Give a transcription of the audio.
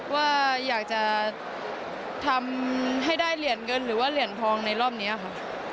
ว่าอยากจะทำให้ได้เหรียญเงินหรือว่าเหรียญทองในรอบนี้ค่ะ